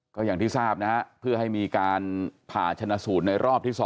ก็อย่างที่ทราบนะฮะเพื่อให้มีการผ่าชนะสูตรในรอบที่๒